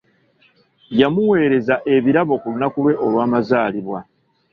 Yamuweereza ebirabo ku lunaku lwe olwamazaalibwa.